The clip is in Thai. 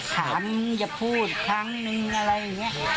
ถามอย่าพูดครั้งนึงอะไรอย่างนี้